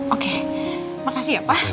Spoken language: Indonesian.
oke makasih ya pak